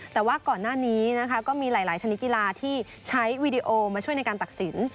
แต่ว่าก่อนหน้านี้นะคะก็มีหลายชนิดกีฬาที่ใช้วีดีโอมาช่วยในการตัดสิน